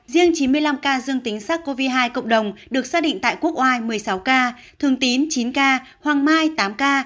riêng chín mươi năm ca dương tính sars cov hai cộng đồng được xác định tại quốc oai một mươi sáu ca thường tín chín ca hoàng mai tám ca